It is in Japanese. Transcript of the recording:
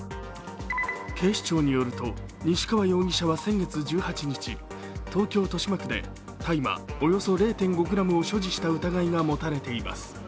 警視庁によると、西川容疑者は先月１８日、東京・豊島区で大麻およそ０．５ｇを所持した疑いが持たれています。